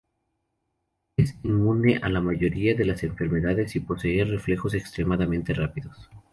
Es inmune a la mayoría de las enfermedades y posee reflejos extremadamente rápidos.